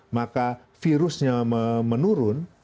maka virusnya menurun